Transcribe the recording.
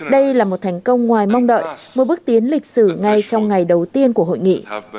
đây là một thành công ngoài mong đợi một bước tiến lịch sử ngay trong ngày đầu tiên của hội nghị